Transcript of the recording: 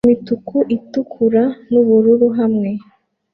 imituku itukura nubururu hamwe